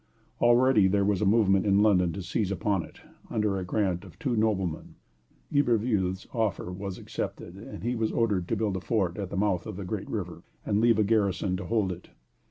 Already there was a movement in London to seize upon it, under a grant to two noblemen. Iberville's offer was accepted; he was ordered to build a fort at the mouth of the great river, and leave a garrison to hold it.